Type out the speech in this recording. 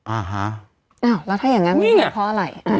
อ่าฮะอ้าวแล้วถ้าอย่างนั้นเพราะอะไร